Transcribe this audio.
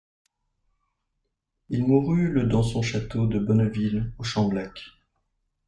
Il mourut le dans son château de Bonneville au Chamblac.